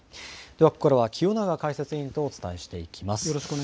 ではここからは清永解説委員とお伝えしていきます。